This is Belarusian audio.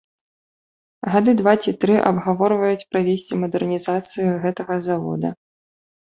Гады два ці тры абгаворваюць правесці мадэрнізацыю гэтага завода.